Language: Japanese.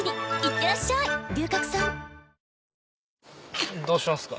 え．．．どうしますか？